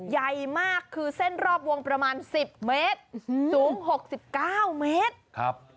ใหญ่มากคือเส้นรอบวงประมาณ๑๐เมตรสูง๖๙เมตรครับ